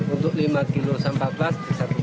untuk lima kg sampah plastik